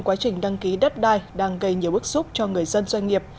quá trình đăng ký đất đai đang gây nhiều bức xúc cho người dân doanh nghiệp